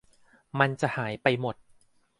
มันจะหายไปหมด